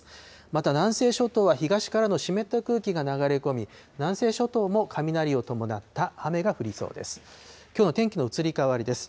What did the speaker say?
また南西諸島は東からの湿った空気が流れ込み、南西諸島も雷を伴った雨が降りそうです。